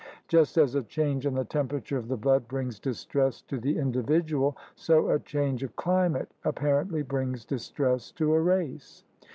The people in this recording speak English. Just as a change in the temperature of the blood brings distress to the in dividual, so a change of climate apparently brings distress to a race.